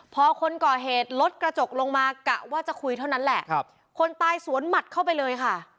พอคนก่อเหตุลดกระจกลงมากะว่าจะคุยเท่านั้นแหละครับคนตายสวนหมัดเข้าไปเลยค่ะ